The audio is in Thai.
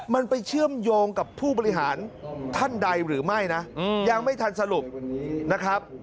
มันไปเชื่อมโยงกับผู้บริหารท่านใดหรือไม่นะยังไม่ทันสรุปนะครับ